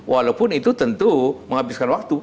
walaupun itu tentu menghabiskan waktu